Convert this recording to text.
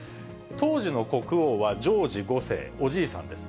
当時の国王はジョージ５世、おじいさんです。